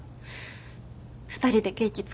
２人でケーキ作るとか。